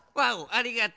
ありがとう。